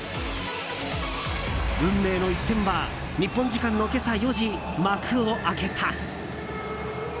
運命の一戦は日本時間の今朝４時幕を開けた。